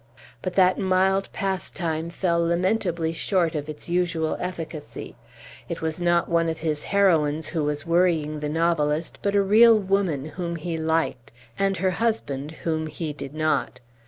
But that mild pastime fell lamentably short of its usual efficacy. It was not one of his heroines who was worrying the novelist, but a real woman whom he liked and her husband whom he did not.